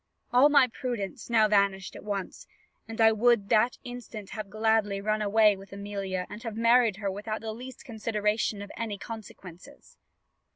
All my prudence now vanished at once; and I would that instant have gladly run away with Amelia, and have married her without the least consideration of any consequences.